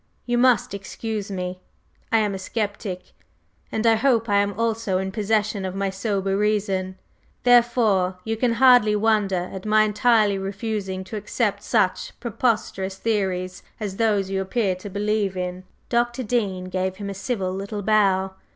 You must excuse me; I am a sceptic; and I hope I am also in possession of my sober reason, therefore, you can hardly wonder at my entirely refusing to accept such preposterous theories as those you appear to believe in." Dr. Dean gave him a civil little bow.